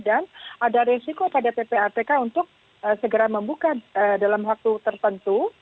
dan ada resiko pada ppatk untuk segera membuka dalam waktu tertentu